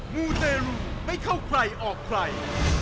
มูเตรลูไม่เข้าใครออกใคร